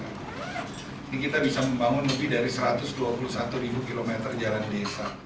ini kita bisa membangun lebih dari satu ratus dua puluh satu km jalan desa